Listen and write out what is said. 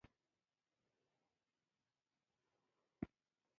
بس د شاعر په حماسو کي به منلي ګرځي